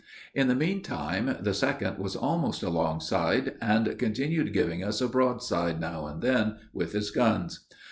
In the meantime, the second was almost alongside, and continued giving us a broadside, now and then, with his guns.